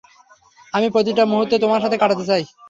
আমি প্রতিটা মুহূর্ত তোমার সাথে কাটাতে চাই।